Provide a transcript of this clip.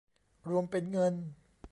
รวมเป็นเงิน